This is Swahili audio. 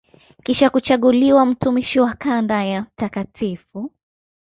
Kisha kuchaguliwa mtumishi wa kanda ya Mt.